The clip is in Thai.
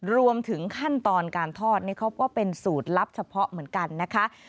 รวมถึงขั้นตอนการทอดนี่เขาก็เป็นสูตรลับเฉพาะเหมือนกันนะคะ